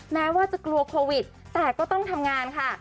แม้ว่าจะกลัวโควิดแต่ก็ต้องทำงานค่ะ